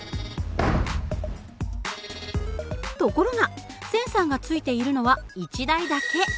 ところがセンサーが付いているのは１台だけ。